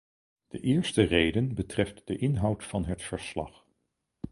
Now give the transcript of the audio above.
De eerste reden betreft de inhoud van het verslag.